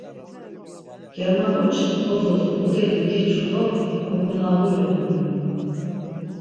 Germaǩoçik bozos ǩudeli geçu do oǩonağurinu.